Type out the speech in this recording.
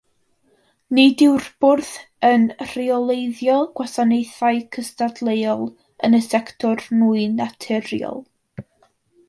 Nid yw'r Bwrdd yn rheoleiddio gwasanaethau cystadleuol yn y sector nwy naturiol.